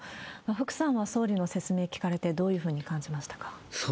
福さんは総理の説明聞かれて、どういうふうに感じましたか？